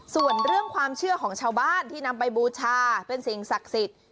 ส่วนเรื่องความเชื่อของชาวบ้านที่นำไปบูชาเป็นสิ่งศักดิ์สิทธิ์